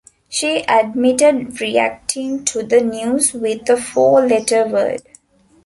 She admitted reacting to the news with a four-letter word.